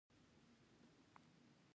ګامېښې